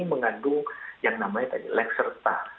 mengandung yang namanya tadi lekserta